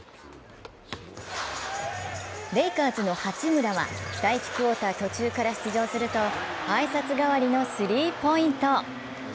レイカーズの八村は第１クオーター途中から出場すると挨拶代わりのスリーポイント。